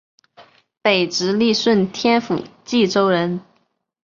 北直隶顺天府蓟州人。